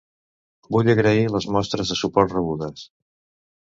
Vull agrair les mostres de suport rebudes.